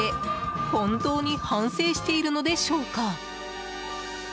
本当に反省しているのでしょうか。